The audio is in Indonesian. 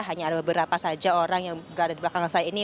hanya ada beberapa saja orang yang berada di belakang saya ini